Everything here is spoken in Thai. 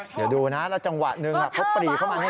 อย่าดูนะแล้วจังหวะหนึ่งเขาปรีบเข้ามานี่